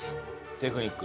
テクニック。